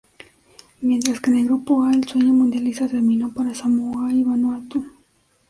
Mientras que en el Grupo A el sueño mundialista terminó para Samoa y Vanuatu.